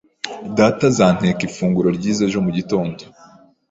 Data azanteka ifunguro ryiza ejo mugitondo.